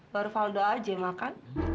baru fauda aja yang makan